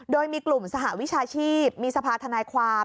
โดยมีกลุ่มสหวิชาชีพมีสภาธนายความ